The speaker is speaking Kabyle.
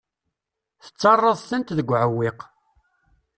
Tettarraḍ-tent deg uɛewwiq.